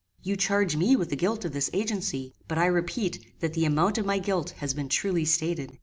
You charge me with the guilt of this agency; but I repeat that the amount of my guilt has been truly stated.